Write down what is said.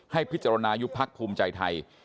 ให้พิจารณายุบพักภูมิใจไทย